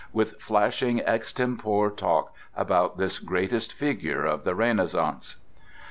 —with flashing extempore talk about this greatest figure of the Renaissance.